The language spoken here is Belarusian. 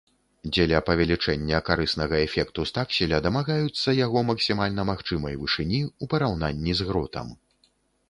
Дзеля павелічэння карыснага эфекту стакселя дамагаюцца яго максімальна магчымай вышыні, у параўнанні з гротам.